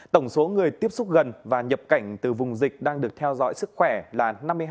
tổng số người tiếp xúc gần và nhập cảnh từ vùng dịch đang được theo dõi sức khỏe là năm mươi hai một trăm chín mươi sáu